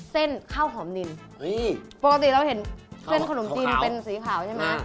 เส้นข้าวหอมนินปกติเราเห็นเส้นขนมจีนเป็นสีขาวใช่ไหม